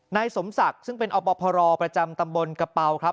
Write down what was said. นายสมศักดิ์ซึ่งเป็นอปพรประจำตำบลกระเป๋าครับ